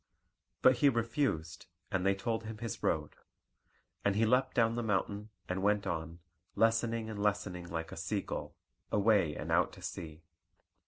But he refused, and they told him his road. And he leapt down the mountain, and went on, lessening and lessening like a sea gull, away and out to sea.